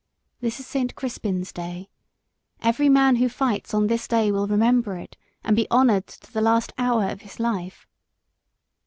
This is Saint Crispin's day. Every man who fights on this day will remember it and be honoured to the last hour of his life.